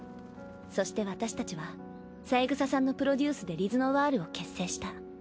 そして私たちは三枝さんのプロデュースでＬｉｚＮｏｉｒを結成した。